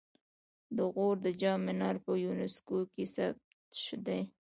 د غور د جام منار په یونسکو کې ثبت دی